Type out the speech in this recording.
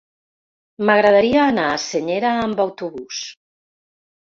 M'agradaria anar a Senyera amb autobús.